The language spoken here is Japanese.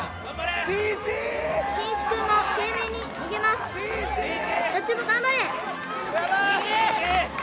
しんいちくんも懸命に逃げますどっちも頑張れ！